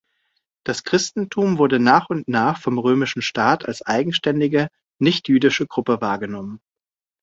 Das Christentum wurde nach und nach vom römischen Staat als eigenständige nichtjüdische Gruppe wahrgenommen.